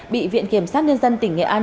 bị viện kiểm sát liên dân tỉnh nghệ an